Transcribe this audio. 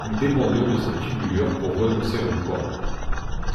Nous dépendions de cette tubulure pour renoncer aux poireaux.